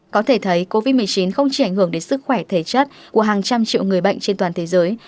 có thể thấy covid một mươi chín không chỉ ảnh hưởng đến sức khỏe thể chất của hàng trăm triệu người bệnh trên toàn thế giới